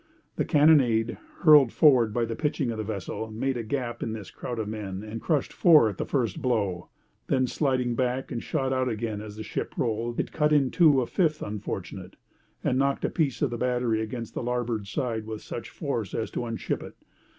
The carronade, hurled forward by the pitching of the vessel, made a gap in this crowd of men and crushed four at the first blow; then sliding back and shot out again as the ship rolled, it cut in two a fifth unfortunate, and knocked a piece of the battery against the larboard side with such force as to unship it.